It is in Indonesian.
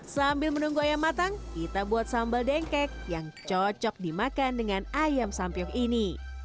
sambil menunggu ayam matang kita buat sambal dengkek yang cocok dimakan dengan ayam sampiok ini